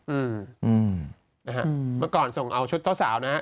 อืมครับเมื่อก่อนส่งเอาชุดเจ้าสาวนะครับ